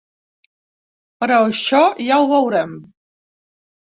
Però això ja ho veurem.